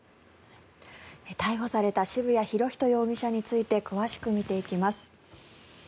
逮捕された渋谷博仁容疑者について詳しく見ていきます。